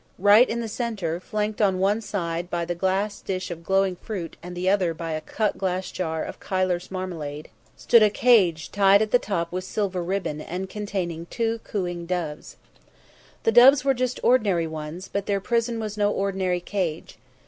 Right in the centre, flanked on one side by the glass dish of glowing fruit and the other by a cut glass jar of Keiller's marmalade, stood a cage tied at the top with silver ribbon and containing two cooing doves. The doves were just ordinary ones, but their prison was no ordinary cage.